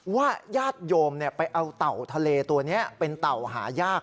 ญาติโยมไปเอาเต่าทะเลตัวนี้เป็นเต่าหายาก